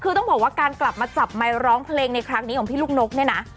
คือต้องบอกว่าการกลับมาจับไมค์ร้องเพลงในครั้งนี้ของพี่ลูกนกเนี่ยนะ